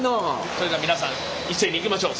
それでは皆さん一斉にいきましょう。